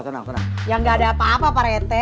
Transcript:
ya enggak ada apa apa pak rete